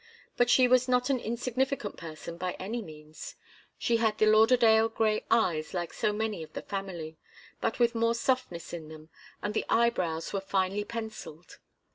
But she was not an insignificant person by any means. She had the Lauderdale grey eyes like so many of the family, but with more softness in them, and the eyebrows were finely pencilled.